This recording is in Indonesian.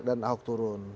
dan ahok turun